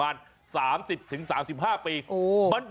มาครั้งนี้มันจะมากินกินขนุนครับ